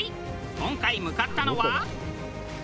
今回向かったのは。